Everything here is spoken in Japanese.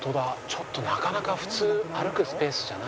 ちょっとなかなか普通歩くスペースじゃないんで。